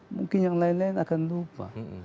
mungkin yang lain lain akan lupa